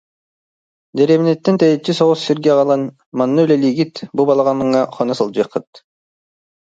Дэриэбинэттэн тэйиччи соҕус сиргэ аҕалан: «Манна үлэлиигит, бу балаҕаҥҥа хоно сылдьыаххыт»